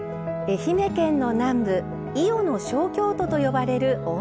愛媛県の南部「伊予の小京都」と呼ばれる大洲市。